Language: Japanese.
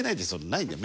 ないんだよ